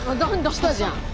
来たじゃん。